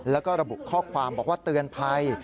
แล้วก็ระบุข้อความบอกว่าเตือนภัย